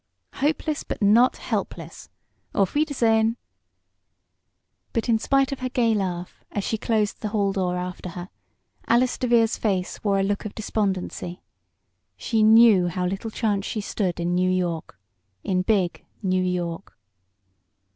"Hopeless but not helpless! Auf Wiedersehen!" But in spite of her gay laugh as she closed the hall door after her, Alice DeVere's face wore a look of despondency. She knew how little chance she stood in New York in big New York.